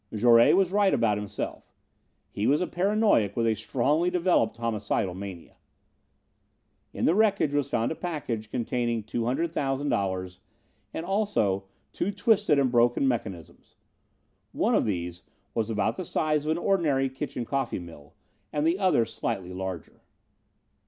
Jouret was right about himself. He was a paranoic with a strongly developed homicidal mania. In the wreckage was found a package containing $200,000 and also two twisted and broken mechanisms. One of these was about the size of an ordinary kitchen coffee mill, and the other slightly larger.